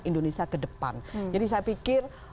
indonesia kedepan jadi saya pikir